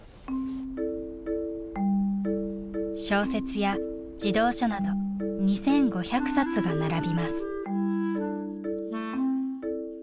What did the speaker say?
小説や児童書など２，５００冊が並びます。